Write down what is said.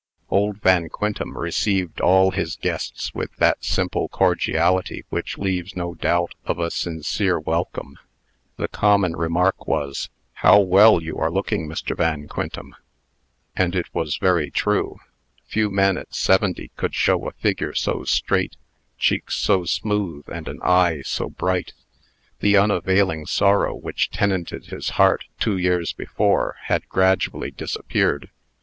Old Van Quintem received all his guests with that simple cordiality which leaves no doubt of a sincere welcome. The common remark was, "How well you are looking, Mr. Van Quintem!" And it was very true. Few men at seventy could show a figure so straight, cheeks so smooth, and an eye so bright. The unavailing sorrow which tenanted his heart two years before, had gradually disappeared.